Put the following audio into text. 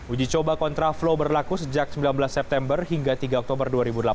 uji coba kontraflow berlaku sejak sembilan belas september hingga tiga oktober dua ribu delapan belas